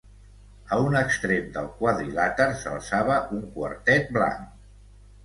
A un extrem del quadrilàter s'alçava un quartet blanc.